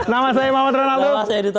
nah ada itu ada itu